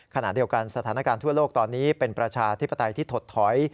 ขณะเดียวกันสถานการณ์ทั่วโลกตอนนี้เป็นประชาธิปไตยที่ถดถอย